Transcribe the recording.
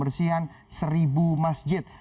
pembersihan seribu masjid